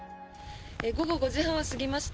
午後５時半を過ぎました。